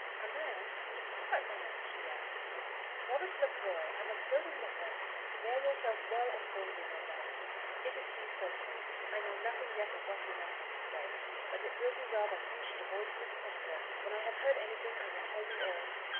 "A man; what man?" she asked. "Robert Lefroy. I must go to him at once. Bear yourself well and boldly, my darling. It is he, certainly. I know nothing yet of what he may have to say, but it will be well that you should avoid him if possible. When I have heard anything I will tell you all."